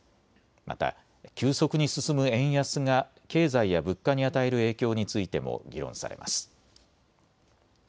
また急速に進む円安が経済や物価に与える影響についても議論されます。